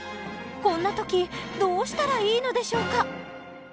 こんな時どうしたらいいのでしょうか？